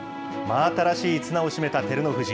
真新しい綱を締めた照ノ富士。